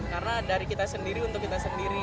karena dari kita sendiri untuk kita sendiri